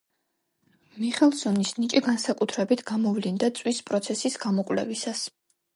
მიხელსონის ნიჭი განსაკუთრებით გამოვლინდა წვის პროცესის გამოკვლევისას.